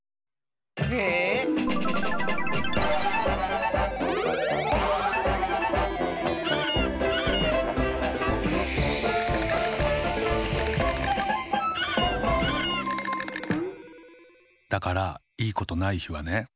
ええ⁉だからいいことないひはね。